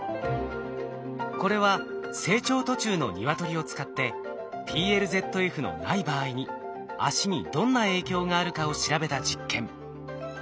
これは成長途中のニワトリを使ってＰＬＺＦのない場合に足にどんな影響があるかを調べた実験。